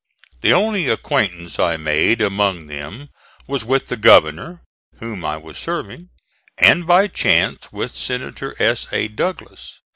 The only acquaintance I made among them was with the governor, whom I was serving, and, by chance, with Senator S. A. Douglas.